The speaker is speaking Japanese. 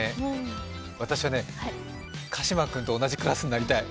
私はね、鹿嶋君と同じクラスになりたい！